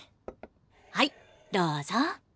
はいどうぞ。